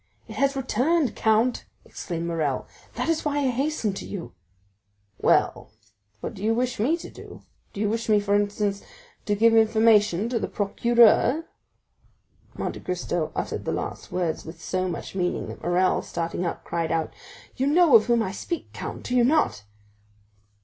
"It has returned, count," exclaimed Morrel; "that is why I hastened to you." "Well, what do you wish me to do? Do you wish me, for instance, to give information to the procureur?" Monte Cristo uttered the last words with so much meaning that Morrel, starting up, cried out: "You know of whom I speak, count, do you not?"